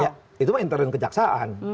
ya itu intern kejaksaan